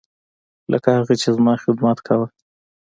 لکه هغه چې زما خدمت کاوه.